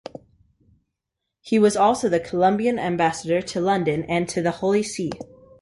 He was also the Colombian ambassador to London and to the Holy See.